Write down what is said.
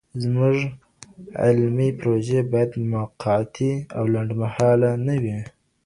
زموږ علمي پروژې باید مقطعي او لنډمهالې نه وي.